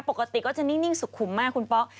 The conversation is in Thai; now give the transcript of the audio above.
ปกติก็จะนิ่งสุขุมมากคุณป๊อก